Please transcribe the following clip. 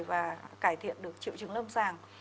và cải thiện được triệu chứng lâm sàng